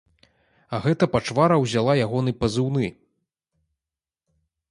А гэта пачвара ўзяла ягоны пазыўны!